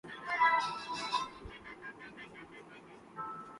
شکایات کے باوجود، انتخابات کے بعد ایک موقع تھا۔